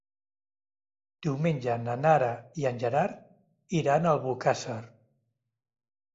Diumenge na Nara i en Gerard iran a Albocàsser.